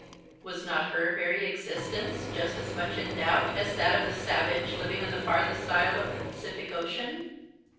Was not her very existence just as much in doubt as that of the savage living on the furthest isle of the Pacific Ocean?